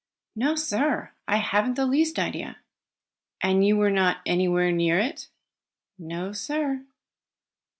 "No, sir. I haven't the least idea." "And you were not anywhere near it?" "No, sir."